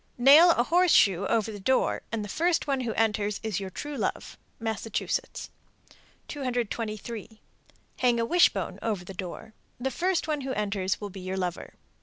Nail a horseshoe over the door, and the first one who enters is your true love. Massachusetts. 223. Hang a wishbone over the door. The first one who enters will be your lover.